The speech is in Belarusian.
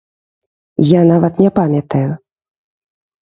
Я нават не памятаю!